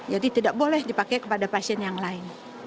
jadi tidak boleh dipakai pada pasien yang lain